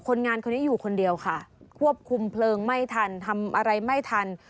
งานคนนี้อยู่คนเดียวค่ะควบคุมเพลิงไม่ทันทำอะไรไม่ทัน